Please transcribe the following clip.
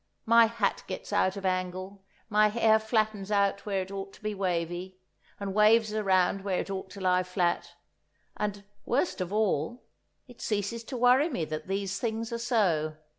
My hat gets out of angle, my hair flattens out where it ought to be wavy, and waves around where it ought to lie flat; and—worst of all—it ceases to worry me that these things are so.